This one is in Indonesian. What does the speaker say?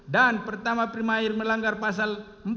dan pertama primair melanggar pasal